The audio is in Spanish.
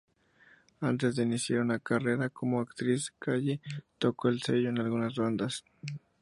Antes de iniciar una carrera como actriz, Callie tocó el cello en algunas bandas.